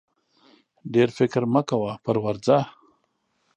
ډېر فکر مه کوه پر ورځه!